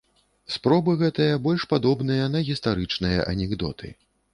Спробы гэтыя больш падобныя на гістарычныя анекдоты.